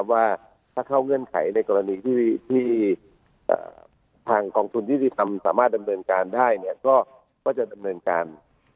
ว่าถ้าเข้าเงื่อนไขในกรณีที่ทางกองทุนยุติธรรมสามารถดำเนินการได้เนี่ยก็จะดำเนินการ